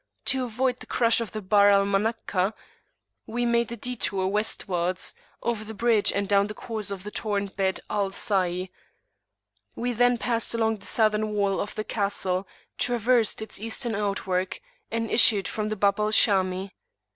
To avoid the crush of the Barr al Manakhah, we made a detour Westwards, over the bridge and down the course of the torrent bed "Al Sayh." We then passed along the Southern wall of the castle, traversed its Eastern outwork, and issued from the Bab al Shami.